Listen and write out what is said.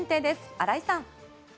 新井さん。